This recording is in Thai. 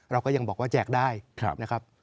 เราก็ยังบอกว่าแจกได้นะครับ